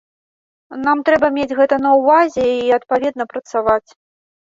Нам трэба мець гэта на ўвазе і адпаведна працаваць.